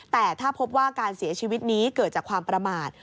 แต่ถ้าพบว่าการเสียชีวิตนี้เกิดจากความประมาท